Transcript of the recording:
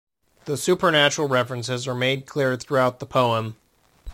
The supernatural references are made clear throughout the poem.